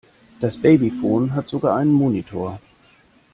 Das Babyphone hat sogar einen Monitor.